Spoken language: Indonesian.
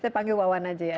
saya panggil wawan aja ya